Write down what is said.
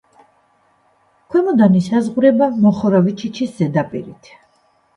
ქვემოდან ისაზღვრება მოხოროვიჩიჩის ზედაპირით.